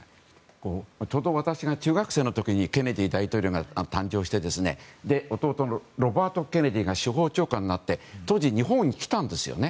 ちょうど私が中学生の時にケネディ大統領が誕生して弟のロバート・ケネディが司法長官になって当時、日本に来たんですよね。